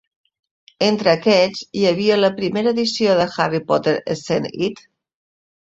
Entre aquests, hi havia la primera edició de Harry Potter Scene It?